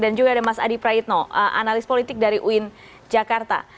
dan juga ada mas adi praitno analis politik dari uin jakarta